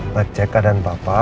ngecek keadaan papa